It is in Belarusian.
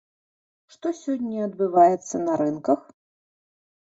Што сёння адбываецца на рынках?